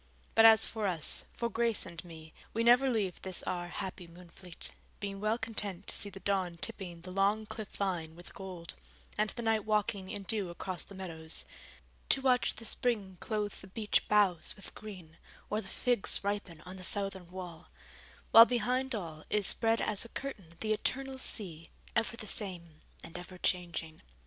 But as for us, for Grace and me, we never leave this our happy Moonfleet, being well content to see the dawn tipping the long cliff line with gold, and the night walking in dew across the meadows; to watch the spring clothe the beech boughs with green, or the figs ripen on the southern wall: while behind all, is spread as a curtain the eternal sea, ever the same and ever changing.